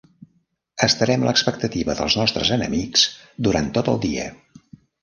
Estarem a l'expectativa dels nostres enemics durant tot el dia.